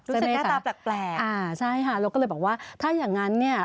หน้าตาแปลกอ่าใช่ค่ะเราก็เลยบอกว่าถ้าอย่างงั้นเนี่ย